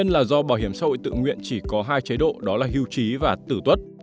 bảo hiểm xã hội tự nguyện chỉ có hai chế độ đó là hưu trí và tử tuất